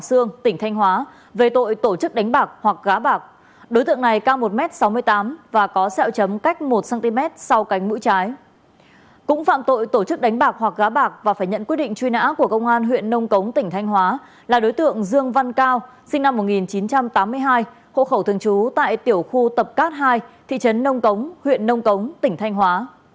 cũng phạm tội tổ chức đánh bạc hoặc gá bạc và phải nhận quy định truy nã của công an huyện nông cống tỉnh thanh hóa là đối tượng dương văn cao sinh năm một nghìn chín trăm tám mươi hai hộ khẩu thường trú tại tiểu khu tập cát hai thị trấn nông cống huyện nông cống tỉnh thanh hóa